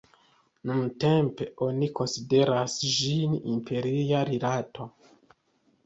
Nuntempe oni konsideras ĝin empiria rilato.